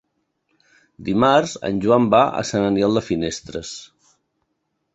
Dimarts en Joan va a Sant Aniol de Finestres.